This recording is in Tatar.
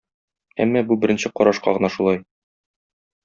Әмма бу беренче карашка гына шулай.